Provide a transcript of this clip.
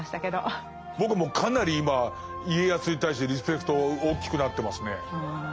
僕もかなり今家康に対してリスペクト大きくなってますね。